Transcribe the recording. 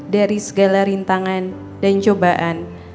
dari segala rintangan dan cobaan